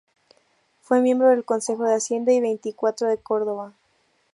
Fue miembro del Consejo de Hacienda y veinticuatro de Córdoba.